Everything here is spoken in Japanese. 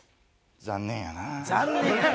「残念」やない。